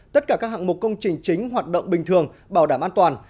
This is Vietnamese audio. tất cả các hạng mục công trình chính hoạt động bình thường bảo đảm an toàn